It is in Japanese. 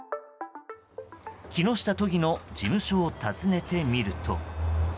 木下都議の事務所を訪ねてみると。